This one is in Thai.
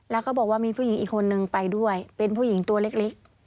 แล้วก็บอกว่ามีผู้หญิงอีกคนนึงไปด้วยเป็นผู้หญิงตัวเล็ก